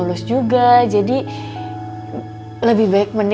kita lagi nge vibrat bandar